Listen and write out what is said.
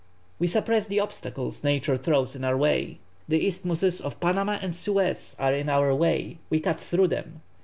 We suppress the obstacles nature throws in our way. The isthmuses of Panama and Suez are in our way; we cut through them!